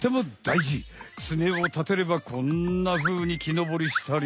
ツメをたてればこんなふうに木のぼりしたり。